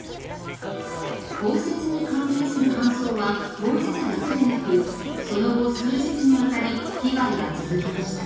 降雪に関連する搬送は当日だけでなくその後数日にわたり被害が続きました。